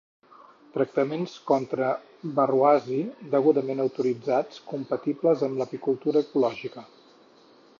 Tractaments contra varroasi degudament autoritzats, compatibles amb l'apicultura ecològica.